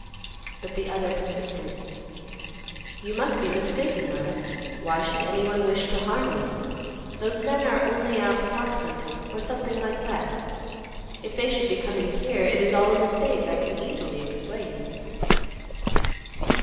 But the other persisted, "You must be mistaken, lad. Why should any one wish to harm me? Those men are only out fox hunting, or something like that. If they should be coming here, it is all a mistake; I can easily explain."